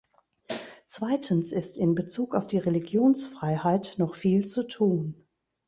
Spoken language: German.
Zweitens ist in Bezug auf die Religionsfreiheit noch viel zu tun.